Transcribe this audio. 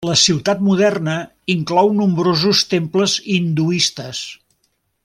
La ciutat moderna inclou nombrosos temples hinduistes.